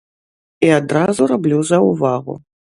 І адразу раблю заўвагу.